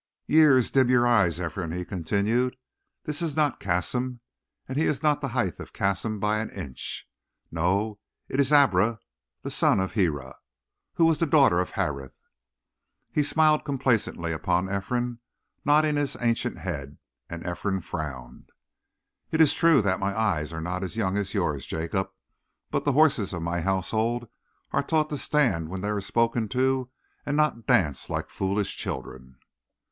"Years dim your eyes, Ephraim," he continued. "This is not Cassim and he is not the height of Cassim by an inch. No, it is Abra, the son of Hira, who was the daughter of Harith." He smiled complacently upon Ephraim, nodding his ancient head, and Ephraim frowned. "It is true that my eyes are not as young as yours, Jacob; but the horses of my household are taught to stand when they are spoken to and not dance like foolish children."